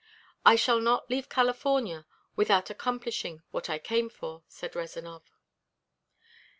"I shall not leave California without accomplishing what I came for," said Rezanov.